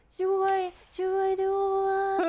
ช่วยช่วยด้วย